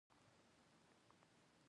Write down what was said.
• د کوټې د کونج ته ناست ماشوم کتاب لوسته.